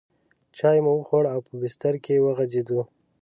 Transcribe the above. چای مو وخوړې او په بسترو کې وغځېدو.